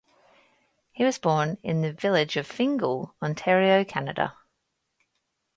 He was born in the village of Fingal, Ontario Canada.